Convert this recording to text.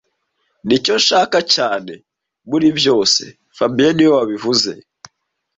Nicyo nshaka cyane muri byose fabien niwe wabivuze